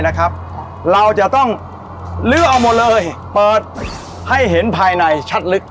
นะครับเราจะต้องลื้อเอาหมดเลยเปิดให้เห็นภายในชัดลึก